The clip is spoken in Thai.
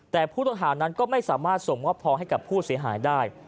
แต่ผู้ต้องหานั้นก็ไม่สามารถส่งมอบทองให้กับผู้เสียหายได้